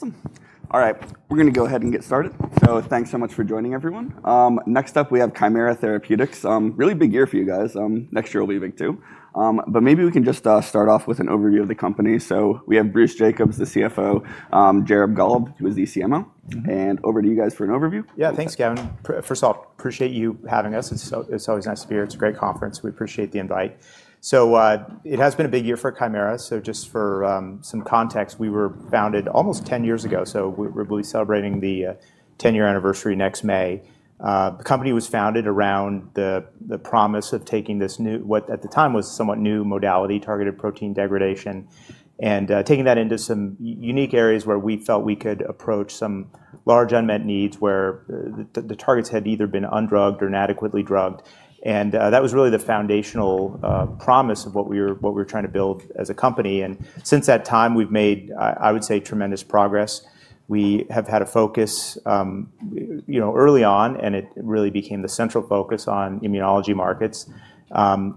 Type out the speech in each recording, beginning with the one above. Awesome. All right. We're going to go ahead and get started. So thanks so much for joining, everyone. Next up, we have Kymera Therapeutics. Really big year for you guys. Next year will be big, too. But maybe we can just start off with an overview of the company. So we have Bruce Jacobs, the CFO, Jared Gollob, who is the CMO. And over to you guys for an overview. Yeah, thanks, Kevin. First off, appreciate you having us. It's always nice to be here. It's a great conference. We appreciate the invite. So it has been a big year for Kymera. So just for some context, we were founded almost 10 years ago. So we're celebrating the 10-year anniversary next May. The company was founded around the promise of taking this new, what at the time was somewhat new modality, targeted protein degradation, and taking that into some unique areas where we felt we could approach some large unmet needs where the targets had either been undrugged or inadequately drugged. And that was really the foundational promise of what we were trying to build as a company. And since that time, we've made, I would say, tremendous progress. We have had a focus early on, and it really became the central focus on immunology markets,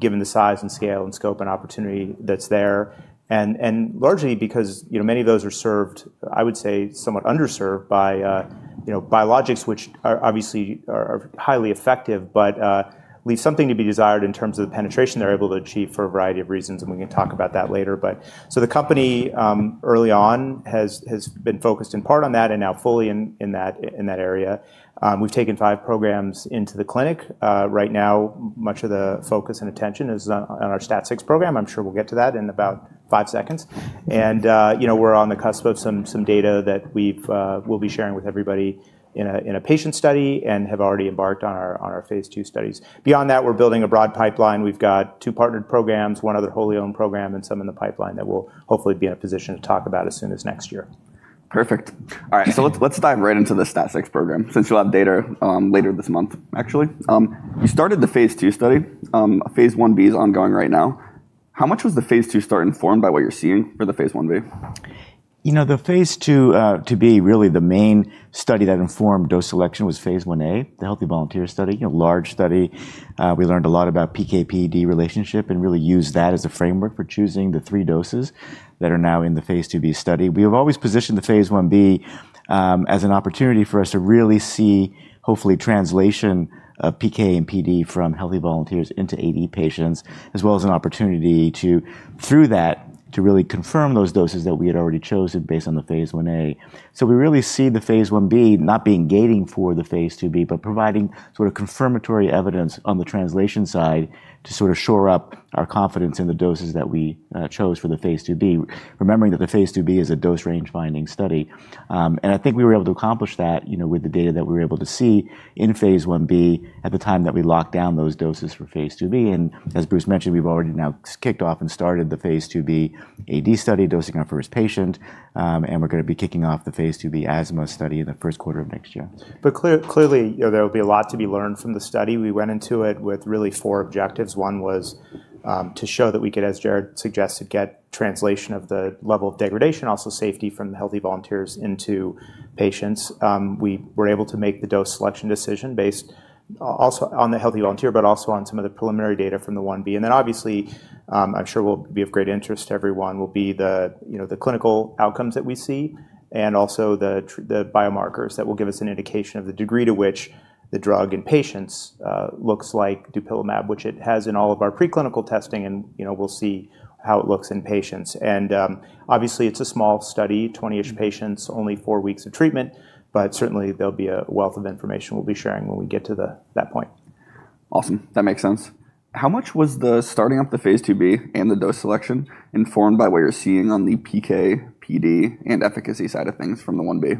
given the size and scale and scope and opportunity that's there. And largely because many of those are served, I would say, somewhat underserved by biologics, which obviously are highly effective, but leave something to be desired in terms of the penetration they're able to achieve for a variety of reasons. And we can talk about that later. So the company early on has been focused in part on that and now fully in that area. We've taken five programs into the clinic. Right now, much of the focus and attention is on our STAT6 program. I'm sure we'll get to that in about five seconds. And we're on the cusp of some data that we'll be sharing with everybody in a patient study and have already embarked on our phase II studies. Beyond that, we're building a broad pipeline. We've got two partnered programs, one other wholly owned program, and some in the pipeline that we'll hopefully be in a position to talk about as soon as next year. Perfect. All right. So let's dive right into the STAT6 program, since we'll have data later this month, actually. You started the phase 2 study. Phase 1b is ongoing right now. How much was the phase II study informed by what you're seeing for the phase 1b? You know, the phase 2 to be really the main study that informed dose selection was phase 1a, the healthy volunteer study, a large study. We learned a lot about PK/PD relationship and really used that as a framework for choosing the three doses that are now in the phase 2b study. We have always positioned the phase 1b as an opportunity for us to really see, hopefully, translation of PK and PD from healthy volunteers into AD patients, as well as an opportunity through that to really confirm those doses that we had already chosen based on the phase 1a. We really see the phase 1b not being gating for the Phase 1b, but providing sort of confirmatory evidence on the translation side to sort of shore up our confidence in the doses that we chose for the Phase 2b, remembering that the Phase 2b is a dose range finding study. And I think we were able to accomplish that with the data that we were able to see in Phase 1b. at the time that we locked down those doses for Phase 2b. And as Bruce mentioned, we've already now kicked off and started the Phase 2b AD study, dosing our first patient. And we're going to be kicking off the Phase 2b asthma study in the first quarter of next year. But clearly, there will be a lot to be learned from the study. We went into it with really four objectives. One was to show that we could, as Jared suggested, get translation of the level of degradation, also safety from healthy volunteers into patients. We were able to make the dose selection decision based also on the healthy volunteer, but also on some of the preliminary data from the 1b. And then obviously, I'm sure will be of great interest to everyone, will be the clinical outcomes that we see and also the biomarkers that will give us an indication of the degree to which the drug in patients looks like dupilumab, which it has in all of our preclinical testing. And we'll see how it looks in patients. Obviously, it's a small study, 20-ish patients, only four weeks of treatment, but certainly there'll be a wealth of information we'll be sharing when we get to that point. Awesome. That makes sense. How much was the starting up the Phase 2b and the dose selection informed by what you're seeing on the PK, PD, and efficacy side of things from the 1/B?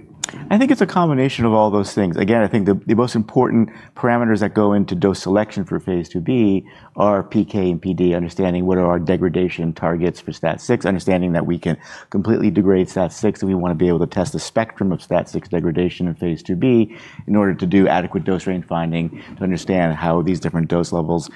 I think it's a combination of all those things. Again, I think the most important parameters that go into dose selection for Phase 2b are PK and PD, understanding what are our degradation targets for STAT6, understanding that we can completely degrade STAT6. We want to be able to test the spectrum of STAT6 degradation in Phase 2b in order to do adequate dose range finding to understand how these different dose levels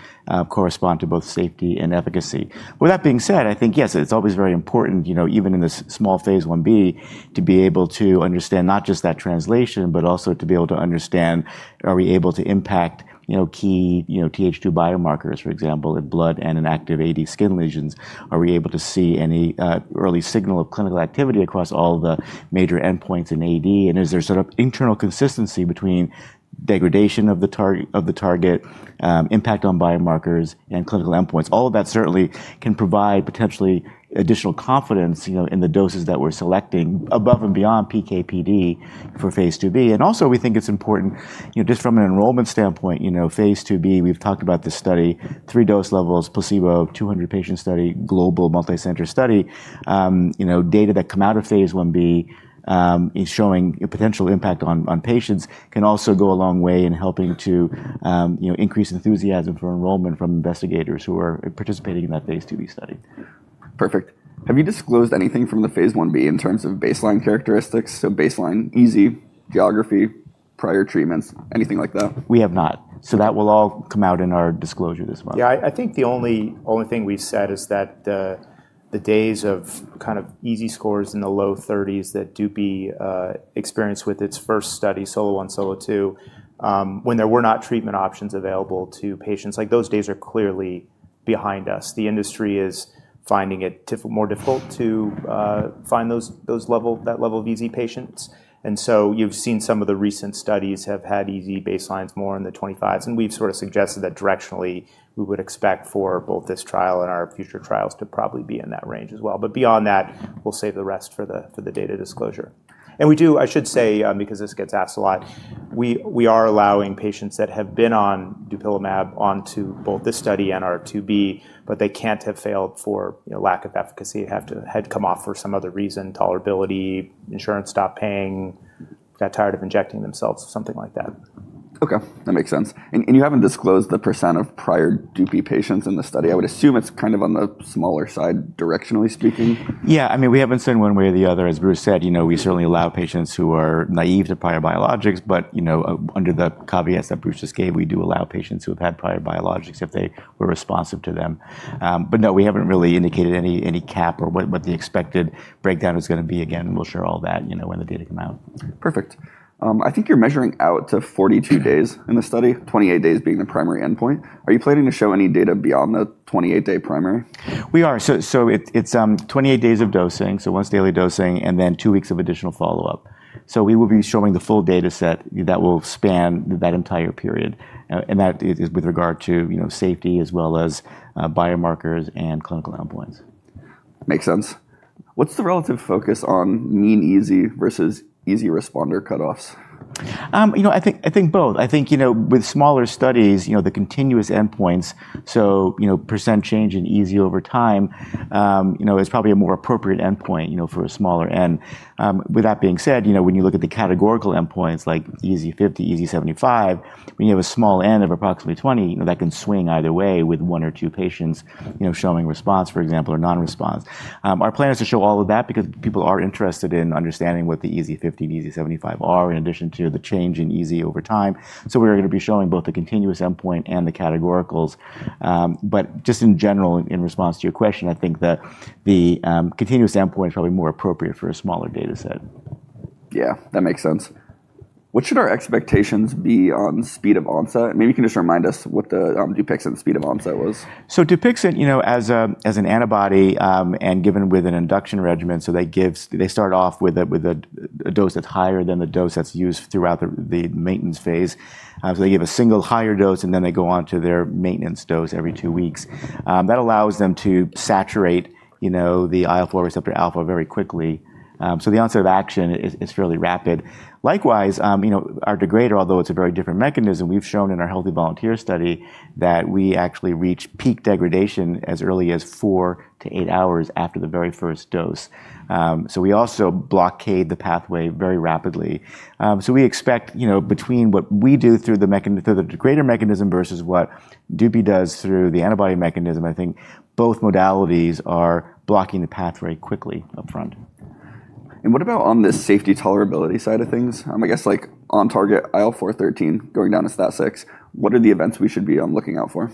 correspond to both safety and efficacy. With that being said, I think, yes, it's always very important, even in this small phase 1b, to be able to understand not just that translation, but also to be able to understand, are we able to impact key Th2 biomarkers, for example, in blood and in active AD skin lesions? Are we able to see any early signal of clinical activity across all the major endpoints in AD? And is there sort of internal consistency between degradation of the target, impact on biomarkers, and clinical endpoints? All of that certainly can provide potentially additional confidence in the doses that we're selecting above and beyond PK/PD for Phase 2b. And also, we think it's important, just from an enrollment standpoint, Phase 2b, we've talked about this study, three dose levels, placebo, 200 patient study, global multicenter study. Data that come out of Phase 1b, showing potential impact on patients, can also go a long way in helping to increase enthusiasm for enrollment from investigators who are participating in that Phase 2b study. Perfect. Have you disclosed anything from the phase I-B in terms of baseline characteristics? So baseline EASI, geography, prior treatments, anything like that? We have not, so that will all come out in our disclosure this month. Yeah, I think the only thing we've said is that the days of kind of EASI scores in the low 30s that dupi experienced with its first study, SOLO 1, SOLO 2, when there were not treatment options available to patients, like those days are clearly behind us. The industry is finding it more difficult to find that level of EASI patients. And so you've seen some of the recent studies have had EASI baselines more in the 25s. And we've sort of suggested that directionally, we would expect for both this trial and our future trials to probably be in that range as well. But beyond that, we'll save the rest for the data disclosure. We do, I should say, because this gets asked a lot. We are allowing patients that have been on dupilumab onto both this study and our II/B, but they can't have failed for lack of efficacy. They had come off for some other reason, tolerability, insurance stopped paying, got tired of injecting themselves, something like that. Okay, that makes sense. And you haven't disclosed the percent of prior dupi patients in the study. I would assume it's kind of on the smaller side, directionally speaking. Yeah, I mean, we haven't said one way or the other. As Bruce said, we certainly allow patients who are naive to prior biologics, but under the caveats that Bruce just gave, we do allow patients who have had prior biologics if they were responsive to them. But no, we haven't really indicated any cap or what the expected breakdown is going to be. Again, we'll share all that when the data come out. Perfect. I think you're measuring out to 42 days in the study, 28 days being the primary endpoint. Are you planning to show any data beyond the 28-day primary? We are. So it's 28 days of dosing, so once daily dosing, and then two weeks of additional follow-up. So we will be showing the full data set that will span that entire period, and that is with regard to safety as well as biomarkers and clinical endpoints. Makes sense. What's the relative focus on mean EASI versus EASI responder cutoffs? You know, I think both. I think with smaller studies, the continuous endpoints, so percent change in EASI over time is probably a more appropriate endpoint for a smaller N. With that being said, when you look at the categorical endpoints like EASI-50, EASI-75, when you have a small N of approximately 20, that can swing either way with one or two patients showing response, for example, or non-response. Our plan is to show all of that because people are interested in understanding what the EASI-50 and EASI-75 are in addition to the change in EASI over time. So we're going to be showing both the continuous endpoint and the categoricals. But just in general, in response to your question, I think the continuous endpoint is probably more appropriate for a smaller data set. Yeah, that makes sense. What should our expectations be on speed of onset? Maybe you can just remind us what the Dupixent speed of onset was? Dupixent, as an antibody and given with an induction regimen, so they start off with a dose that's higher than the dose that's used throughout the maintenance phase. So they give a single higher dose, and then they go on to their maintenance dose every two weeks. That allows them to saturate the IL-4 receptor alpha very quickly. So the onset of action is fairly rapid. Likewise, our degrader, although it's a very different mechanism, we've shown in our healthy volunteer study that we actually reach peak degradation as early as four to eight hours after the very first dose. So we also blockade the pathway very rapidly. So we expect between what we do through the degrader mechanism versus what Dupi does through the antibody mechanism, I think both modalities are blocking the path very quickly upfront. What about on the safety tolerability side of things? I guess like on-target IL-4/13 going down to STAT6, what are the events we should be looking out for?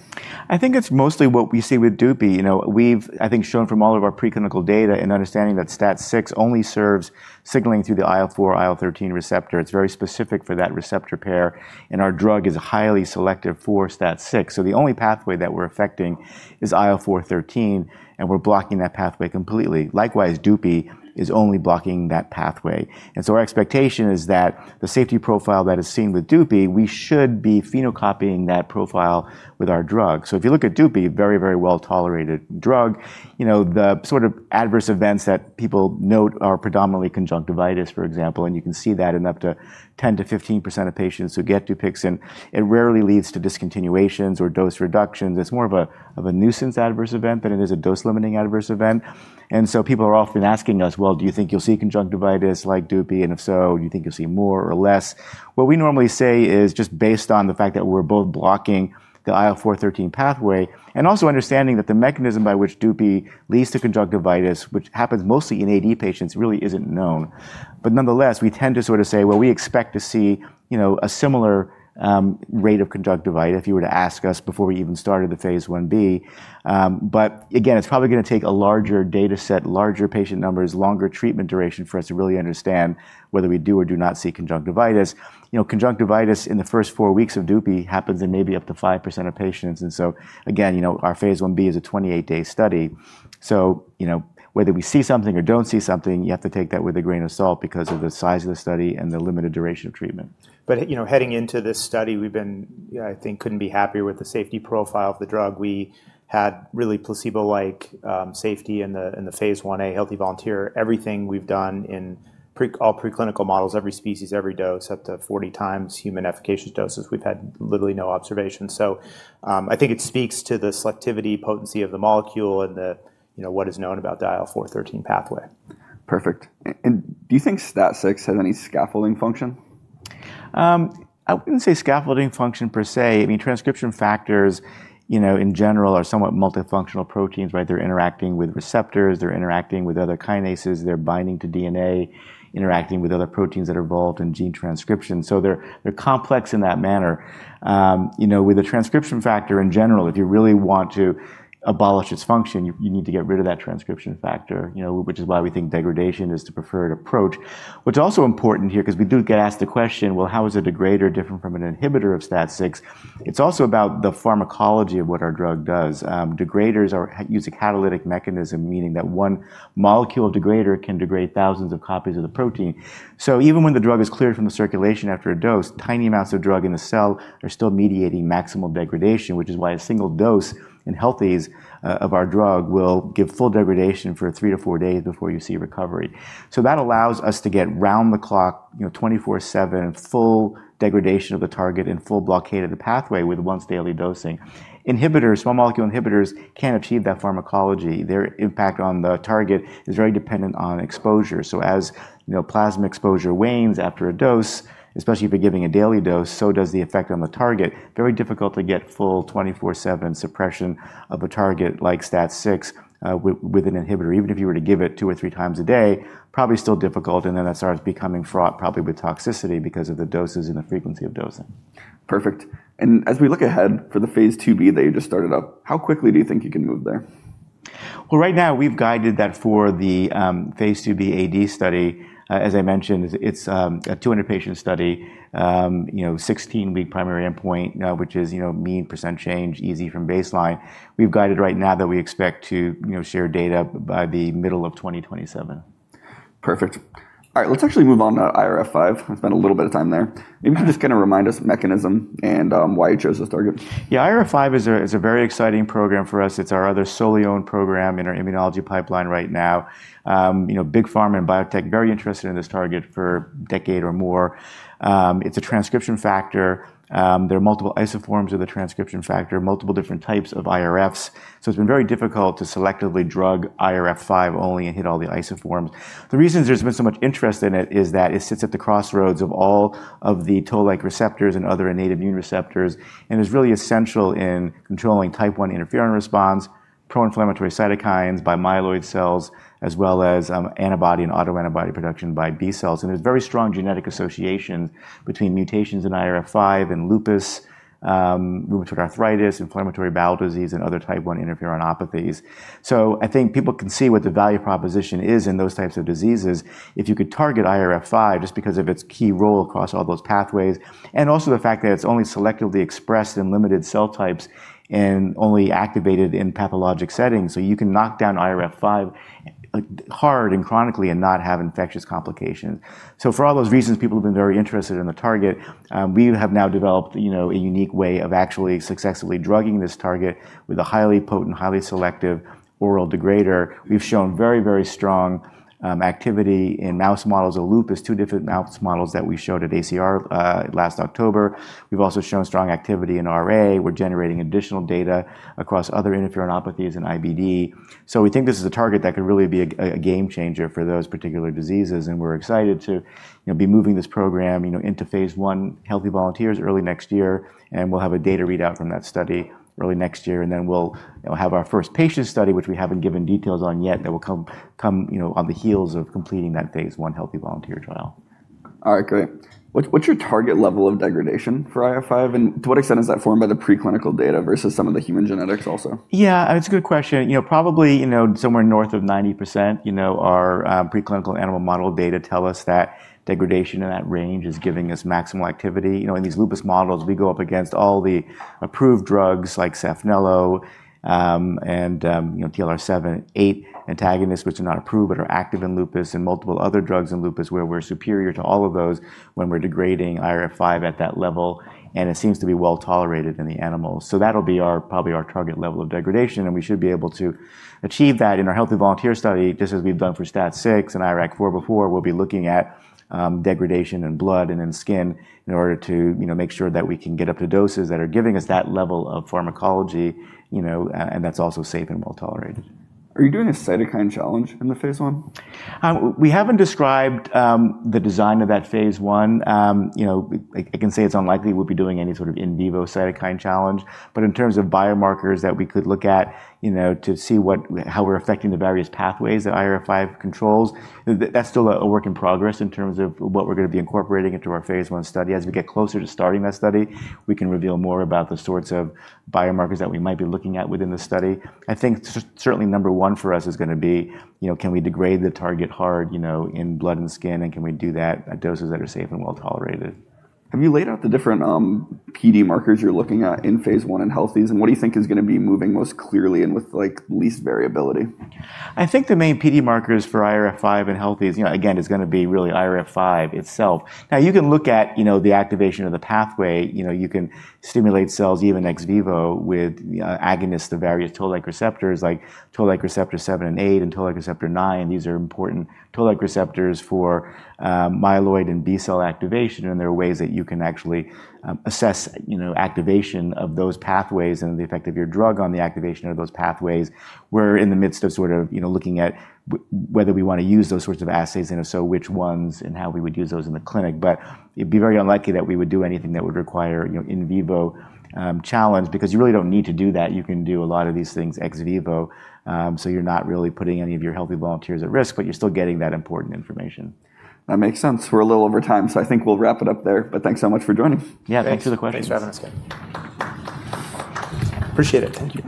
I think it's mostly what we see with dupi. We've, I think, shown from all of our preclinical data and understanding that STAT6 only serves signaling through the IL-4, IL-13 receptor. It's very specific for that receptor pair, and our drug is highly selective for STAT6. So the only pathway that we're affecting is IL-4/13, and we're blocking that pathway completely. Likewise, Dupi is only blocking that pathway, and so our expectation is that the safety profile that is seen with Dupi, we should be phenocopying that profile with our drug. So if you look at Dupi, a very, very well-tolerated drug, the sort of adverse events that people note are predominantly conjunctivitis, for example. And you can see that in up to 10%-15% of patients who get Dupixent. It rarely leads to discontinuations or dose reductions. It's more of a nuisance adverse event than it is a dose-limiting adverse event. And so people are often asking us, well, do you think you'll see conjunctivitis like Dupi? And if so, do you think you'll see more or less? What we normally say is just based on the fact that we're both blocking the IL-4/13 pathway and also understanding that the mechanism by which Dupi leads to conjunctivitis, which happens mostly in AD patients, really isn't known. But nonetheless, we tend to sort of say, well, we expect to see a similar rate of conjunctivitis if you were to ask us before we even started the Phase 1b. But again, it's probably going to take a larger data set, larger patient numbers, longer treatment duration for us to really understand whether we do or do not see conjunctivitis. Conjunctivitis in the first four weeks of Dupi happens in maybe up to 5% of patients. And so again, our Phase 1b is a 28-day study. So whether we see something or don't see something, you have to take that with a grain of salt because of the size of the study and the limited duration of treatment. But heading into this study, we've been, I think, couldn't be happier with the safety profile of the drug. We had really placebo-like safety in the Phase 1a, healthy volunteer. Everything we've done in all preclinical models, every species, every dose, up to 40x human efficacious doses, we've had literally no observations. So I think it speaks to the selectivity, potency of the molecule and what is known about the IL-4/13 pathway. Perfect. And do you think STAT6 has any scaffolding function? I wouldn't say scaffolding function per se. I mean, transcription factors in general are somewhat multifunctional proteins, right? They're interacting with receptors. They're interacting with other kinases. They're binding to DNA, interacting with other proteins that are involved in gene transcription. So they're complex in that manner. With a transcription factor in general, if you really want to abolish its function, you need to get rid of that transcription factor, which is why we think degradation is the preferred approach. What's also important here, because we do get asked the question, well, how is a degrader different from an inhibitor of STAT6? It's also about the pharmacology of what our drug does. Degraders use a catalytic mechanism, meaning that one molecule of degrader can degrade thousands of copies of the protein. So even when the drug is cleared from the circulation after a dose, tiny amounts of drug in the cell are still mediating maximal degradation, which is why a single dose in healthies of our drug will give full degradation for three to four days before you see recovery. So that allows us to get round the clock, 24/7, full degradation of the target and full blockade of the pathway with once daily dosing. Inhibitors, small molecule inhibitors can achieve that pharmacology. Their impact on the target is very dependent on exposure. So as plasma exposure wanes after a dose, especially if you're giving a daily dose, so does the effect on the target. Very difficult to get full 24/7 suppression of a target like STAT6 with an inhibitor. Even if you were to give it two or three times a day, probably still difficult. That starts becoming fraught probably with toxicity because of the doses and the frequency of dosing. Perfect. And as we look ahead for the Phase 2b if you just started up, how quickly do you think you can move there? Right now we've guided that for the Phase 2bAD study. As I mentioned, it's a 200-patient study, 16-week primary endpoint, which is mean percent change EASI from baseline. We've guided right now that we expect to share data by the middle of 2027. Perfect. All right, let's actually move on to IRF5. I spent a little bit of time there. Maybe you can just kind of remind us of mechanism and why you chose this target. Yeah, IRF-5 is a very exciting program for us. It's our other solely owned program in our immunology pipeline right now. Big pharma and biotech are very interested in this target for a decade or more. It's a transcription factor. There are multiple isoforms of the transcription factor, multiple different types of IRFs. So it's been very difficult to selectively drug IRF-5 only and hit all the isoforms. The reason there's been so much interest in it is that it sits at the crossroads of all of the Toll-like receptors and other innate immune receptors. And it's really essential in controlling type I interferon response, pro-inflammatory cytokines by myeloid cells, as well as antibody and autoantibody production by B cells. And there's very strong genetic associations between mutations in IRF-5 and lupus, rheumatoid arthritis, inflammatory bowel disease, and other type I interferonopathies. So I think people can see what the value proposition is in those types of diseases if you could target IRF-5 just because of its key role across all those pathways. And also the fact that it's only selectively expressed in limited cell types and only activated in pathologic settings. So you can knock down IRF-5 hard and chronically and not have infectious complications. So for all those reasons, people have been very interested in the target. We have now developed a unique way of actually successfully drugging this target with a highly potent, highly selective oral degrader. We've shown very, very strong activity in mouse models of lupus, two different mouse models that we showed at ACR last October. We've also shown strong activity in RA. We're generating additional data across other interferonopathies and IBD. We think this is a target that could really be a game changer for those particular diseases. We're excited to be moving this program into phase I healthy volunteers early next year. We'll have a data readout from that study early next year. Then we'll have our first patient study, which we haven't given details on yet, that will come on the heels of completing that phase I healthy volunteer trial. All right, great. What's your target level of degradation for IRF-5? And to what extent is that formed by the preclinical data versus some of the human genetics also? Yeah, it's a good question. Probably somewhere north of 90%. Our preclinical animal model data tell us that degradation in that range is giving us maximal activity. In these lupus models, we go up against all the approved drugs like Saphnelo and TLR7/8 antagonists, which are not approved but are active in lupus and multiple other drugs in lupus where we're superior to all of those when we're degrading IRF-5 at that level. And it seems to be well tolerated in the animals. So that'll be probably our target level of degradation. And we should be able to achieve that in our healthy volunteer study, just as we've done for STAT6 and IRAK4 before. We'll be looking at degradation in blood and in skin in order to make sure that we can get up to doses that are giving us that level of pharmacology. That's also safe and well tolerated. Are you doing a cytokine challenge in the phase I? We haven't described the design of that phase I. I can say it's unlikely we'll be doing any sort of in vivo cytokine challenge, but in terms of biomarkers that we could look at to see how we're affecting the various pathways that IRF5 controls, that's still a work in progress in terms of what we're going to be incorporating into our phase I study. As we get closer to starting that study, we can reveal more about the sorts of biomarkers that we might be looking at within the study. I think certainly number one for us is going to be, can we degrade the target hard in blood and skin? And can we do that at doses that are safe and well tolerated? Have you laid out the different PD markers you're looking at in phase I in healthies? And what do you think is going to be moving most clearly and with least variability? I think the main PD markers for IRF5 in healthies, again, is going to be really IRF5 itself. Now, you can look at the activation of the pathway. You can stimulate cells even ex vivo with agonists of various Toll-like receptors like Toll-like receptor 7 and 8 and Toll-like receptor 9. These are important Toll-like receptors for myeloid and B cell activation. And there are ways that you can actually assess activation of those pathways and the effect of your drug on the activation of those pathways. We're in the midst of sort of looking at whether we want to use those sorts of assays and if so, which ones and how we would use those in the clinic. But it'd be very unlikely that we would do anything that would require in vivo challenge because you really don't need to do that. You can do a lot of these things ex vivo, so you're not really putting any of your healthy volunteers at risk, but you're still getting that important information. That makes sense. We're a little over time. So I think we'll wrap it up there. But thanks so much for joining. Yeah, thanks for the questions. Thanks, Kevin. Appreciate it. Thank you.